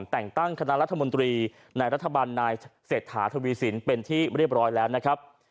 แต่งตั้งคณะรัฐมนตรีในรัฐบาลนายเศรษฐาทวีสินเป็นที่เรียบร้อยแล้วนะครับ